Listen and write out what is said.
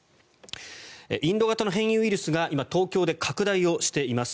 インド型の変異ウイルスが今、東京で拡大しています。